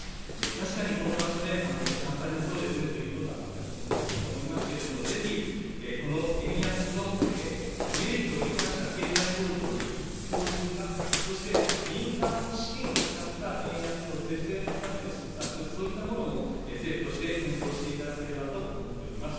確かにこの場所で簡単にそうですねと言うことは全く難しいとは思いますけれども、ぜひ、この円安のメリットを生かした経済構造の強じん化、そして民間の資金を使った円安の是正のための施策、そういったものも政府として検討していただければと思っております。